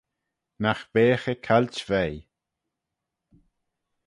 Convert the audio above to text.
Nagh beagh eh cailt veih.